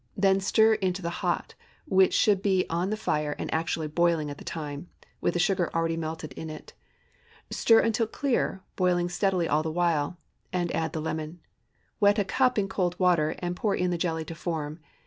Then stir into the hot, which should be on the fire and actually boiling at the time, with the sugar already melted in it. Stir until clear, boiling steadily all the while, and add the lemon. Wet a cup in cold water, and pour in the jelly to form.